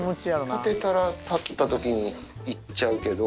立てたら立ったときにいっちゃうけど。